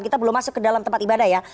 kita belum masuk ke dalam tempat ibadah ya